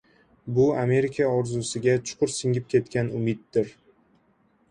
Bu Amerika orzusiga chuqur singib ketgan umiddir.